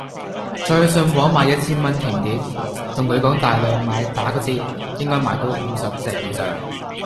再去信和買一千蚊甜碟，同佢講大量買打個折，應該買到五十隻以上